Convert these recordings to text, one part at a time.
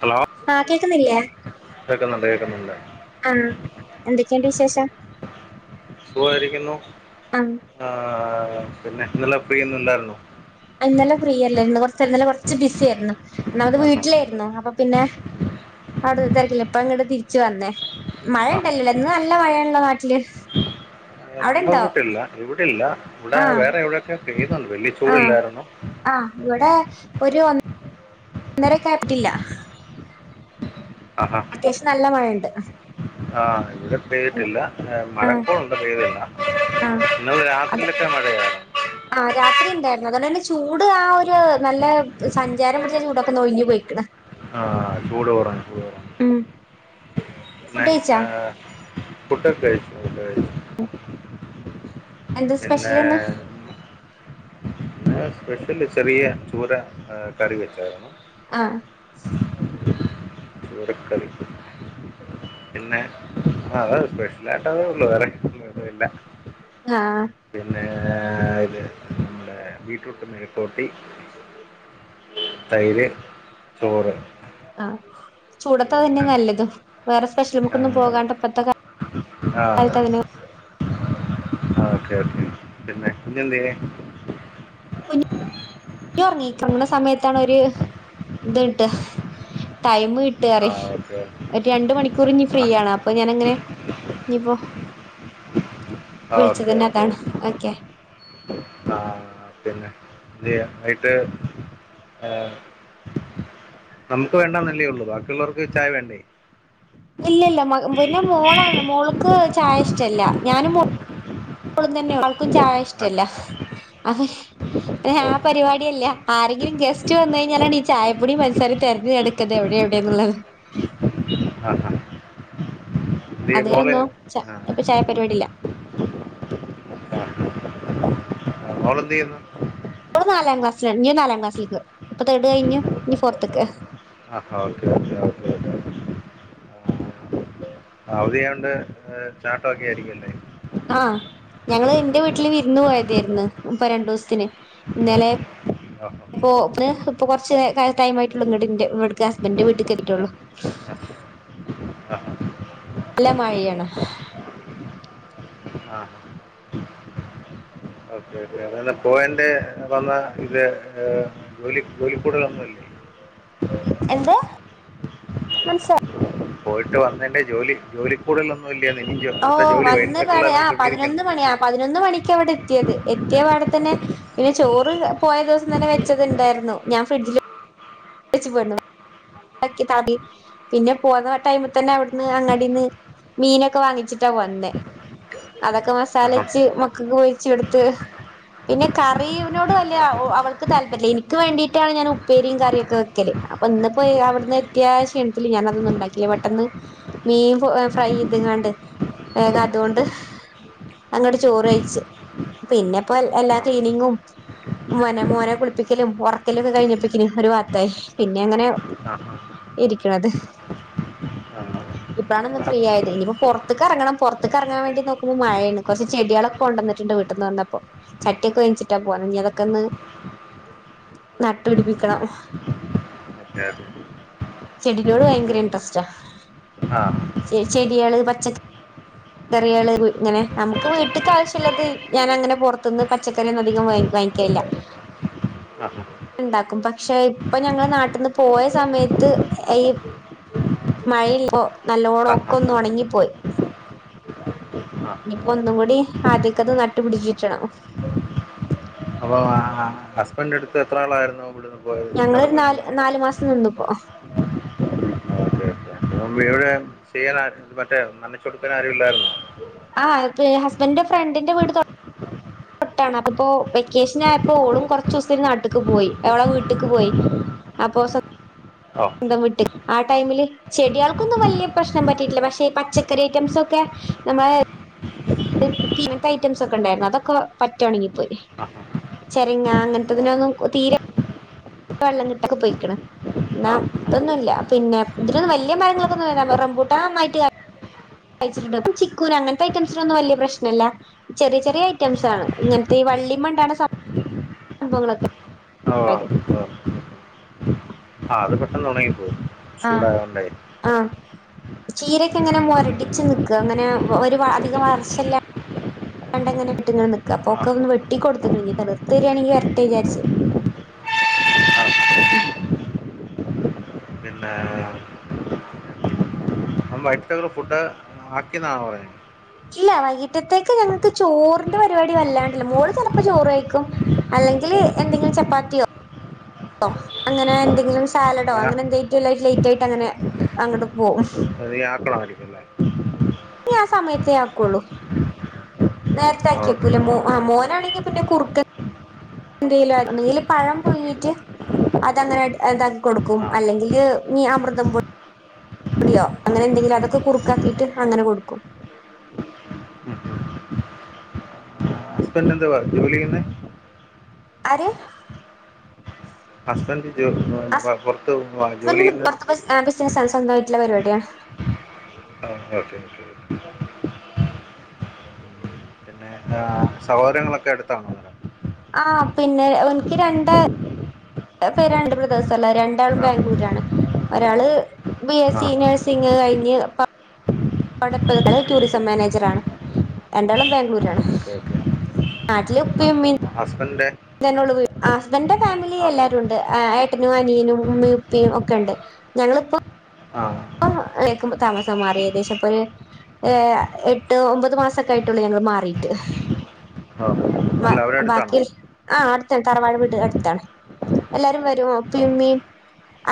Hello ആഹ കേക്കുന്നില്ലേ കേൾക്കുന്നുണ്ട് കേൾക്കുന്നുണ്ട് ആഹ എന്തൊക്കെയണ്ട് വിശേഷം സുഖമായിരിക്കുന്നു ആഹ് ആ പിന്നെ ഇന്നലെ പ്രീയൊന്നുല്ലായിരുന്നു ഇന്നലെ ഫ്രീയല്ലായിരുന്നു കൊറച്ചേ കൊറച്ച് ബിസി ആയിരുന്നു ഒന്നമത് ആഹാ വീട്ടിലായിരുന്നു അപ്പം പിന്നെ അവിടു തിരക്കില്ല ഇപ്പ അങ്ങോട്ട് തിരിച്ചു വന്നേ മഴ ഇണ്ടല്ലോല്ലോ ഇന്ന് നല്ല മഴയണല്ലോ നാട്ടില് നമ്മ അവിടെണ്ടോ വട്ടില്ല ഇവിടില്ല ഇവിടെ ആഹ് വേറെ എവിടെയൊക്കെ പേയുന്നുണ്ട് വലിയ ചുടില്ലാരുന്നു ആഹ ഇവിടെ ഒരു ഒന്നരൊക്കെ കാറ്റില്ല ആഹ അത്യാശ്യം നല്ല മഴയുണ്ട് ആഹ ഇവിടെ പെയ്തിട്ടില്ല മഴ കോൾ ഉണ്ട് പെയ്തില്ല. ആഹ ഇന്നലെ രാത്രിയിലൊക്കെ മഴയായിരുന്നു. ആ രാത്രി ഉണ്ടായിരുന്നു അതുകൊണ്ട് തന്നെ ചൂട് ആ ഒരു നല്ല സഞ്ചാരം പിടിച്ച ചൂടൊക്കെ നൊയിഞ്ഞ് പോയിക്ക്ണ്. ആഹ ചൂട് കുറഞ്ഞു ചൂട് കുറഞ്ഞു ഉം പിന്നെ ഫുഡ് കഴിച്ചാ ആ ഫുഡൊക്കെ കഴിച്ചോ? എന്താ പിന്നെ. സ്പെഷ്യൽ ഇന്ന് ഞൻ സ്പെഷ്യല് ചെറിയ ചൂത കറി വെച്ചായിരുന്നു. ആ ചൂരക്കറി. പിന്നെ ആ സ്പെഷ്യലായിട്ട് അതേ ഒള്ളു വേറെ ഇല്ല. ആഹ പിന്നെ ഇത് നമ്മുടെ ബീറ്റ്റൂട്ട് മെഴുക്കു വരട്ടി. തൈര് ചോറ്. ആ ചൂടത്ത് അ തന്നെ പിന്നെ നല്ലതും വേറെ. ആ സ്പെഷ്യലു പോകാതെ ഇപ്പത്തെ കാലത്ത് എങ്ങനെ ആ ഓക്കെ ഓക്കെ പിന്നെ [unintelligible] കുഞ്ഞ് കുഞ്ഞു റങ്ങി ഉറങ്ങ് ണ സമയത്താണൊരു ഇത്ട്ട്. ടൈം ആ കിട്ടറിയ ഓക്കെ ഒരു രണ്ട് മണിക്കൂർ ഇനി ഫ്രീ ആ ആണ് അപ്പൊ ഞാനങ്ങനെ ഇനിയിപ്പോ വിളിച്ച തന്നെ അതാണ് ഓക്കെ. ആഹ പിന്നെ [unintelligible] ആ നമുക്ക് വേണ്ട നല്ലേ ഒള്ളൂ ബാക്കിയുള്ളവർക്ക് ചായ വേണ്ടേ? ഇല്ലല്ല പിന്നെ മോളാണ് മോൾക്ക് ചായ ഇഷ്ടല്ല ഞാനും മോളു മോളും തന്നെ ഒള്ളു അവൾക്കും ചായ ആ ഇഷ്ടല്ല ആ അപ്പോ അ ഓ ആ പരിപാടിയില്ല ആരെങ്കിലും ഗസ്റ്റ് വന്നു കഴിഞ്ഞാലാണ് ചായപ്പൊടി പഞ്ചസാരിം തെരഞ്ഞ് നടക്ക. എവിടെ എവിടെന്നുള്ളത്. ആഹ ആ ഇത് അതി കൊന്നത് ച ഇപ്പൊ ചായ പരിപാടി ഇല്ല. അമോളെന്ത് ചെയ്യുന്നു? ഓള് നാലാം ക്ലാസില ഇനി നാലാംക്സ്സിക്ക് ഇപ്പ തേർഡ് കഴിഞ്ഞു ഇനി ഫോർത്ത്ക്ക്. ആ ഓക്കെ ഓക്കെ ഓക്കെ. അവധിയോണ്ട് ചാട്ടൊക്കെ ആയിരിക്കുംല്ലേ? ആഹ ഞങ്ങള് എന്റെ വീട്ടില് വിരുന്ന് പോയതായിരുന്നു ഇപ്പൊ രണ്ടു ദിവസത്തിന് ഇന്നലെ. ആ ആ [unintelligible] ഇപ്പൊ കുറച്ച്ടൈമായിട്ടുള്ളു ഇങ്ങട്ടിന്റെ ഹസ്ബൻഡറ് വീട്ടിൽക്ക് എത്തി ട്ടൊള്ളു. നല്ല മഴയാണ്. ആ ആ ഓക്കെ ഓക്കെ [unintelligible] ഇത്. ജോലി ജോലിക്കൂടലൊന്നുംല്ലേ? എന്ത് മനസ്സിലായില. പോയിട്ട് വന്നതിന്റെ ജോലി ജോലി കൂടുലൊന്നുലേന്ന്. ഓ അടുത്ത വന്ന് പാ ട പതിനൊന്ന് മണിക്ക് പതിനൊന്ന് മണക്ക്വിട. എത്തിയത് എത്തിയ പാടെ തന്നെ ചോറ് പോയ ദിവസം തന്നെ വെച്ചത് ണ്ടായിരുന്നു ഞാൻ ഫ്രിഡ്ജില് വെച്ച് പോയിരുന്നു. [unintelligible] പിന്നെ പോന്ന ടൈമ് തന്നെ അവിടുന്ന് അങ്ങാടിന്ന് മീനൊക്കെ വാങ്ങിച്ചിട്ടാ പോന്നേ. അതൊക്കെ മസാല വെച്ച് മക്കൾക്ക് പൊരിച്ച് കൊടുത്ത് പിന്നെ കറിനോട് വല അവൾക്ക് താല്പര്യല്ല എനിക്ക് വേണ്ടീട്ടാണ് ഞാൻ ഉപ്പേരിയും കറിയും ഒക്കെ വെക്കല്. അപ്പൊ ഇന്ന്പ്പോയി അവിടുന്ന് എത്തിയാ ക്ഷീണത്തി ല് ഞാന് അതൊന്നും ഉണ്ടാക്കില്ല പെട്ടെന്ന്. മീൻ ഫ്രൈ ചെയ്തങ്ങാണ്ട് വേഗ അതുകൊണ്ട് അങ്ങോട്ട് ചോറ് കയിച്ചു പിന്നെപ്പോ എല്ലാ ആ ക്ലീനിങ്ങും മോനെ മോനെ കുളിപ്പിക്കലും ഉറക്കലു ഒക്കെ കഴിഞ്ഞപ്പത്തീന് ഒരു വാത്തായി പിന്നെ അങ്ങനെ ആഹ് ഇരിക്കണത് [inaudible] ഇപ്പാണ് ഒന്ന് ആ. ഫ്രീയായത് ഇനിപ്പൊ പൊറത്ത് കറങ്ങണം പൊറത്ത് കറങ്ങാവേണ്ടി നോക്കുമ്പോ മഴയാണ് കൊറച്ച് ചെടികളൊ- കൊണ്ടന്നിട്ടുണ്ട് വീട്ട്ന്ന് വന്നപ്പോ ചട്ടിയൊക്കെ വേച്ചിട്ടാ പോന്നേ ഇനിയതൊക്കെന്ന് നട്ടുപിടിപ്പിക്കണം. ഓക്കെ ചെടിനോട് പയങ്കര ഇൻട്രസ്റ്റാ ആഹ് ഈ ചെടികള് പച്ച- കറികള് ഇങ്ങനെ നമുക്ക് വീട്ടക്കാവശ്യള്ളത് ഞാൻ അങ്ങനെ പൊറത്തുനിന്ന് പച്ചക്കറിയൊന്നും അധികം വ വാങ്ങിക്കയില്ല. [inaudible] ആഹാ ഇണ്ടാക്കും പക്ഷെ ഇപ്പൊ ഞങ്ങള് നാട്ടീന്ന് പോയ സമയത്ത് എയ് മഴല്ല ഓ നല്ലോണം ആ ഒക്കൊന്ന് ആ ഒണങ്ങിപ്പോയ് ആ ഇനിയിപ്പോ ഒന്നുകൂടി ആദ്യക്കത് നട്ടു പിടിച്ചിട്ടണോ അപ്പൊ ആഹാ ഹസ്ബൻഡടുത്ത് എത്ര നാളാരുന്നു ഇവിടുന്ന് പോയത് അടപോയ്നിന്നെ പോ മുമ്പിവടെ ചെയ്യാനാ മറ്റേ നനച്ച് കൊടുക്കാൻ ആരുവില്ലാരുന്നോ ആ പ് ഹസ്ബൻഡന്റെ ഫ്രണ്ടിന്റെ വീട് തൊ- തൊട്ടാണ് അപ്പോ വെക്കേഷനായപ്പോ ഓളും കൊറച്ചൂസത്തേന് നാട്ടിക്ക് പോയ് എവടെ വീ- ട്ടിക്ക്പ്പോയ് അപ്പൊ ഓഹ് സ്വന്തം വിട്ടി ആ ടൈമില് ചെടിയൾക്കൊന്നും വല്ല്യ പ്രശ്നം പറ്റീട്ടില്ല പക്ഷെ പച്ചക്കറി ഐറ്റംസൊക്കെ നമ്മളെ ഇങ്ങനത്തെ ഐറ്റംസൊക്കെ ഒണ്ടാരുന്നു അതൊക്കെ പറ്റെ ഒണങ്ങി പോയ് ആ ചരങ്ങാ ഓ അങ്ങനത്തതിനൊന്നും തീരെ വെള്ളം കിട്ടൊക്കെ പോയ്ക്കണ് എന്നാ ആ ഇതൊന്നും ഇല്ലാ പിന്നെ ഇതില് വല്യാ മരങ്ങളൊക്കെ ഒന്നുവരാ റംമ്പൂട്ടാനൊന്നായിട്ടില്ലാ കഴിച്ചിട്ടുണ്ട് പ്പൂ ചിക്കൂനങ്ങനത്തെ ഐറ്റംസിനൊന്നും ഒന്നും വല്ല്യ പ്രശ്നല്ല ചെറിയ ചെറിയ ഐറ്റംസ്സാണ് ഇങ്ങനത്തെ ഈ വള്ളിമണ്ടാണ് സാ സംഭവങ്ങളൊക്കെ അതെ ഇപ്പാ ആഹ് അത് പെട്ടെന്നുണങ്ങിപ്പോവും ചൂടായോണ്ടേ ചീരെക്കെ ഇങ്ങനെ മൊരടിച്ച് നിക്കാ ഇങ്ങനെ ഒരുപാ അധികം വളർച്ചില്ലാ- പണ്ടെങ്ങനായിട്ട് ഇങ്ങനെ നിക്കാ ആ ആ. അപ്പൊക്കെ ഒന്ന് വെട്ടി കൊടുത്തിക്കണ് ഇനി തളിർ ത്തുരാണെങ്കിൽ വരട്ടേ വിചാരിച്ച് പിന്നെ അ വൈട്ടൊരു ഫുഡ് ആക്കിന്നാണോ പറഞ്ഞേ ഇല്ലാ വൈകിട്ടത്തേക്ക് ഞങ്ങക്ക് ചോറിന്റെ പരിപാടി വല്ലാണ്ടില്ലാ മോള് ചെലപ്പോ ചോറ് കയിക്കും അല്ലെങ്കിൽ എന്തെങ്കിലും ചപ്പാത്തിയോ ഓഹ് അങ്ങനെ എന്തെങ്കിലും സ്- സാലഡോ ഞാ അങ്ങനെ എന്തേ റ്റു ലെയ് ലെയ്റ്റായിട്ട് അങ്ങനെ അങ്ങട്ട് പോവും അത് ഈ ആക്കളമായിരിക്കുംല്ലേ ഞാ ആഹ് സമയത്തേ ആക്കുള്ളൂ നേരത്തെ ഓക്കെ ആക്കിവെക്കൂല മൂ ഓക്കെ ആ ഓക്കെ മോനാണെങ്കി പിന്നെ കൂ എന്തേലുആയിട്ടൊണ്ടകില് പഴം പുഴുങ്ങീറ്റ് അതങ്ങനെ എതാക്കി കൊടുക്കും ആ അല്ലെങ്കില് നീ അമൃതം പോ- പൊടിയോ അങ്ങനെന്തെങ്കിലും അതൊക്കെ കുറുക്കാക്കീട്ട് അങ്ങനെ കൊടുക്കും ഹസ്ബൻ്റെന്തുവാ ജോലിചെയ്യ്ന്നേ ആരെ ഹസ്ബന്റ് [unintelligible] [unintelligible] [unintelligible] സ്വന്തമായിട്ടുള്ള പരിപാടിയാണ് [inaudible] ആഹ് സഹോദരങ്ങളൊക്കെ എടുത്താണോ- ആഹ് പിന്നെ ഒനിക്ക് രണ്ട്- പ്പ രണ്ട് ബ്രദേഴ്സ് ള്ളൂ രണ്ടാളും ആ ബാംഗ്ലൂരാണ് ഒരാള് ബി എസ് ആ സി നേഴ്സ്- സിംഗ് കഴിഞ്- [unintelligible] ടൂറിസം മാനേജർ ആണ്- രണ്ടാളും ബാംഗ്ലൂരാണ് നാട്ടിൽ ഉപ്പേം ഉമ്മേം ഹസ്ബെന്റെ [unintelligible] ഹസ്ബന്റെ ഫാമിലി എല്ലാരും ഉ- ഏട്ടനും അനിയനും ഉമ്മി ഉപ്പിയും ഒക്കെ ഉണ്ട് ഞങ്ങളിപ്പോ- ആഹ് [unintelligible] താമസം മാറി ഏകദേശം ഇപ്പൊരു- ഏഹ് എട്ട് ഒമ്പത് മാസൊക്കെ ആയിട്ടുള്ളൂ ഞങ്ങൾ മാറിട്ട്- ആ അല്ല അവരടുത്താണോ ബാക്കി ആഹ് അടുത്താണ് തറവാട് വീട് അടുത്താണ് എല്ലാരും വരും ഉപ്പേം ആ ഉമ്മേം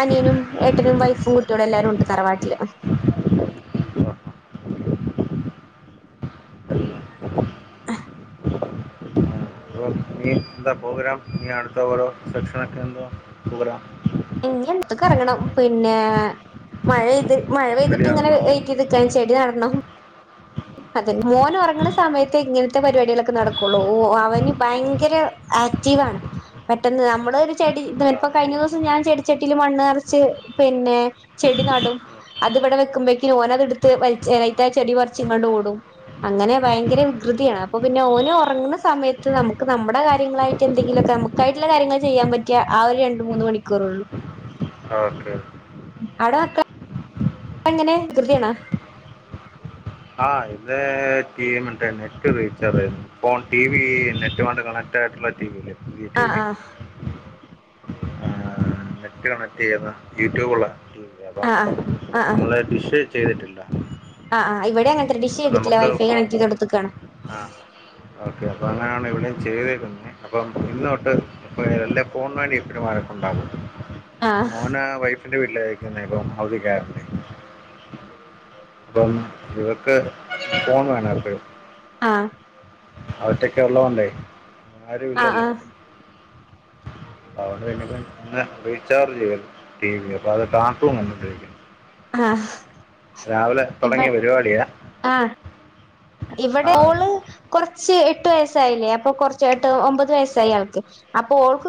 അനിയനും ഏട്ടനും വൈഫും കുട്ടിയോളും എല്ലാരും ഉണ്ട് തറവാട്ടില് ആ. അഹ് [unintelligible] എന്താ പ്രോഗ്രാം ഇനി അടുത്ത ഓരോ സെക്ഷനോക്കെ എന്തോ പ്രോഗ്രാം- ഇഞ്ഞി [unintelligible] കറങ്ങണം പിന്നെ മഴ പെയ്ത് മഴ പെയ്തിട്ട് ഇങ്ങനെ റെഡിയാണല്ലോ [unintelligible] ചെടി നടണം അതെ മോന് ഉറങ്ങണ സമയത്തെ ഇങ്ങനത്തെ പരിപാടികളൊക്കെ നടക്കുള്ളൂ ഓഹ് അവന് ഭയങ്കര ആക്റ്റീവാണ് പെട്ടന്ന് നമ്മള് ഒരു ചെടി ആ ഇപ്പോ കഴിഞ്ഞ ദിവസം ഞാൻ ചെടിച്ചെട്ടിൽ മണ്ണ് നിറച്ച് പിന്നെ ചെടി നടും അതിവിടെ വെക്കുമ്പോക്കി ഓന് അതെടുത്ത് വലിച് അയ്തേ ചെടി പറിച്ചിങ്ങാണ്ട് ഓടും അങ്ങനെ ഭയങ്കര വികൃതിയാണ് അപ്പൊ പിന്നെ ഓന് ഉറങ്ങുന്ന സമയത്ത് നമ്മക്ക് നമ്മടെ കാര്യങ്ങളായി യിട്ട് എന്തങ്കിലുമൊക്കെ നമ്മുക്കായിട്ടുള്ള കാര്യങ്ങൾ ചെയ്യാൻ പറ്റിയ ആ ഒരു രണ്ട് മൂന്ന് മണിക്കൂറേ ഉള്ളൂ ഓക്കെ [unintelligible] എങ്ങനെ വികൃതിയണാ ആഹ് [unintelligible] നെറ്റ് റീചാർജ് ആയിണ്ട് ഇപ്പൊ ടി വി നെറ്റ് കൊണ്ട് കണക്ട് ആയിട്ടുള്ള ടി വി ല്ലേ പുതിയ ആഹ് ടിവി ആഹ് ആഹ് നെറ്റ് കണക്ട് ചെയ്യുന്ന യൂട്യൂബ് ഉള്ള യേപം ആഹ് ആഹ് ആഹ് നമ്മള് ഡിഷ് ചെയ്തിട്ടില്ല ആഹ് ആഹ് ഇവിടെ അങ്ങന ത്തന്നെ ഡിഷ്‌യ്തിട്ടില്ല വൈഫൈ കണക്ട്യ്ത് കൊടുത്ത്ക്കാണ് ആഹ് ഓക്കെ അപ്പൊ അങ്ങനെയാണ് ഇവിടെയും ചെയ്തേക്കുന്നേ അപ്പം ഇന്ന് തൊട്ട് അപ്പൊ എല്ലാം ഫോണ്ന് വേണ്ടി വഴക്കുണ്ടക്കുന്നെ ആഹ് മോന് വൈ വൈഫിന്റെ വീട്ടില നികുന്നെ [unintelligible] അപ്പം ഇവക്ക് ഫോൺ വേണ എപ്പേഴും ആഹ് അവറ്റൊക്കെ ഉള്ളണ്ടേ ആരും ആഹ് ഇല്ലല്ലോ ആഹ് [unintelligible] റീചാർജ് ചെയ്യാ ടി വി അപ്പൊ അത് കാർട്ടൂൺ കണ്ടിട്ടിരിക്കാണ് ആഹ് രാവിലെ ഇവ തുടങ്ങിയ പരിപാടിയാ ആഹ് ഇവിടെ ഓള് കുറച്ച് എട്ട് വയസ്സായില്ലേ അപ്പൊ കൊറച്ച് എട്ട് ഒമ്പത് വയസ്സായി ആൾക്ക് അപ്പൊ ഓൾക്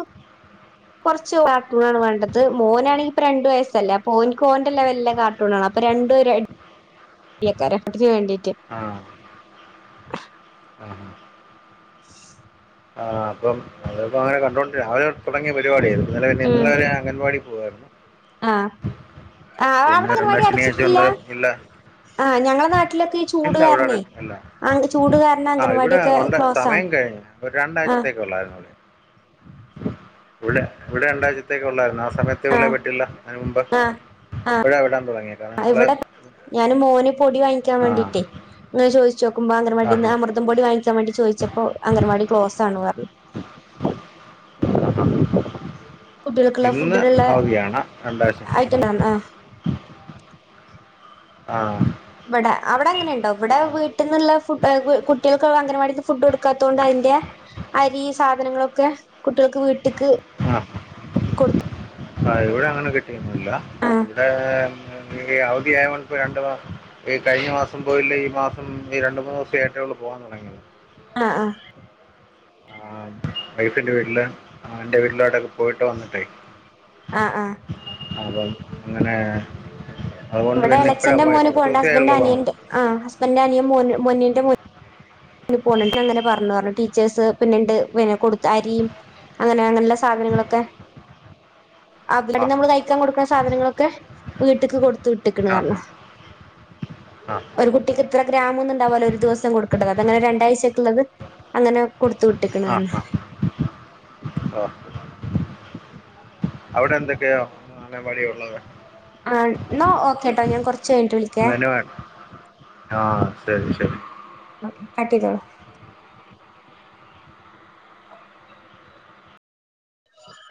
കുറച്ച് കാർട്ടൂണാണ് വേണ്ടത് മോനാണെങ്കി ഇപ്പൊ രണ്ട് വയസ്സല്ലേ അപ്പൊ ഓൻക്ക് ഓന്റെ ലെവൽലെ കാർ ട്ടൂണാണ് അപ്പൊ രണ്ടും അടിയേകാരം [unintelligible] വേണ്ടിട്ട് ആഹ് ആഹ് ആഹ് ആഹ് അപ്പം നമ്മളിപ്പോ അങ്ങനെ കണ്ടുകൊണ്ട്ക്ക രാവിലെതൊട്ട് തുടങ്ങിയ പരിപാടിയായിത് ഇന്നലെ പിന്നെ ഉം ഇന്നലെ വരെ അംഗൻവാടി പോവായിരുന്നു ആഹ് ആ അവിടെ പിന്നെ രണ്ടാം അംഗനവാടി ശനിയാഴ്ച അടച്ചിട്ടില്ല കൊണ്ട് ഇല്ല ആഹ് ഞങ്ങളെ നാട്ടിലൊക്കെ ഈ ചൂട് ഇല്ല ഇവിടെ അടു കാരണേ ഇല്ല ആങ്ങ്ക്ക് ചൂട് കാരണം ആ ഇവിടെ അംഗനവാടിയൊക്കെ ഉണ്ട് ക്ലോസ് ആണ് സമയം കഴിഞ്ഞു ഒരു രണ്ടാഴ്ചത്തേക്കേ ഉള്ളായിരുന്നത് ഇവിടെ ഇവിടെ രണ്ടാഴ്ചത്തേക്കേ ഉള്ളായിരുന്നു ആ സമയത്ത് [unintelligible] മുമ്പേ ആഹ് വിട്ടില്ല അതിന് മുമ്പ് ആഹ് ആഹ് ഇപ്പഴാ വിടാൻ തുടങ്ങിയെ കാരണം ഞങ്ങള് ഇവിടെ ഞാന് മോന് പൊടി വാങ്ങിക്കാൻ വേണ്ടീട്ടേ അങ്ങനെ ചോദിച്ചു നോക്കുമ്പോ ആ അങ്കനവാടീന്ന് അമൃ തം പൊടി വാങ്ങിക്കാൻ വേണ്ടി ചോദിച്ചപ്പോ അംഗനവാടി ക്ലോസ് ആന്ന് പറഞ്ഞ് കുട്ടികൾക്കുള്ള ഇന്ന് ഫുഡിലുള്ള അവധിയാണ് രണ്ടാഴ്ച ഐറ്റം ആണ് ആഹ് ഇവിടെ അവിടെ അങ്ങനെയുണ്ടോ ഇവിടെ വീ വീട്ടീന്നുള്ള ഫു കുട്ടികൾക്ക് അംഗനവാടിത്തെ ഫുഡ് കൊടുക്കാത്തോണ്ട് അതിന്റെ അരി സാധനങ്ങളുമൊക്കെ കുട്ടികൾക്ക് വീട്ടിക്ക് ആഹ് ആഹ് ഇവിടെ അങ്ങനെ കിട്ടിയൊന്നുമില്ല ആ ഇവിടെ ടെ അവധിയായോണ്ട് ഇപ്പോ രണ്ട് മാസ ഈ കഴിഞ്ഞ മാസം പോയില്ല ഈ മാസം ഈ രണ്ടു മൂന്ന് ദിവസേ ആയിട്ടേയുള്ളു പോവാൻ തുടങ്ങിയത് ആഹ് ആഹ് ആഹ് വൈഫിന്റെ വീട്ടില് ആഹ് എന്റെ വീട്ടിലായിട്ടുക്കെ പോയിട്ട് വന്നിട്ടെ ആഹ് ആഹ് അതെ അങ്ങനെ അതുകൊണ്ട് പിന്നെ ഇപ്പഴാ പോയേ കുറച്ചുസേ ആയുള്ളു പോ ആഹ് ഹസ്ബന്റെ അനിയൻ മോന അനിയന്റെ മോനും [unintelligible] അങ്ങനെ പറഞ്ഞെന്ന് പറഞ്ഞു ടീച്ചേഴ്സ് പിന്നെണ്ട് കൊടുത്ത അരി അങ്ങനെയുള്ള സാധനങ്ങളൊക്കെ [inaudible] ആ [unintelligible] ഹാ നമ്മള് കയിക്കാൻ കൊടുക്കണ സാധനങ്ങളൊക്കെ വീട്ടിക്ക് കൊടുത്ത് വിട്ടേക്കണ് ആ പറഞ്ഞ ഹാ ആ ഒരു കുട്ടിക്ക് ഇത്ര ഗ്രാമെന്നു ഉണ്ടാവുവല്ലോ ഒരു ദിവസം കൊടുക്കണ്ടത് അങ്ങനെ രണ്ടാഴ്ചയ്ക്ക് ഉള്ളത് അങ്ങനെ കൊടുത്ത് വിട്ടേക്കണ കാരണം ആഹ് അവിടെ എന്തൊക്കെയാ അംഗൻവാടിയിൽ ഉള്ളത് ആഹ് എന്നാ ഓക്കെട്ടോ ഞാൻ കുറച്ച് കഴി മെനു വേണം ആഹ് ശരി ശരി ഓക്കെ കട്ട് ചെയ്തോളു [inaudible]